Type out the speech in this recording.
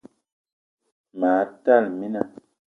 Ma tala mina